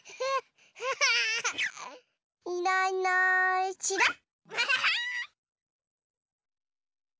いないいないちらっ。